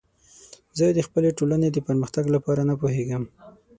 زه د خپلې ټولنې د پرمختګ لپاره نه پوهیږم.